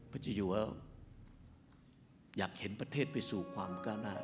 เจ้าอยู่อยากเห็นประเทศไปสู่ความก้าวหน้า